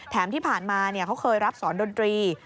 ที่ผ่านมาเขาเคยรับสอนดนตรี